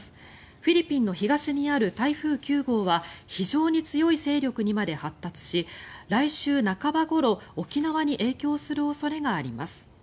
フィリピンの東にある台風９号は非常に強い勢力にまで発達し来週半ばごろ沖縄に影響する恐れがあります。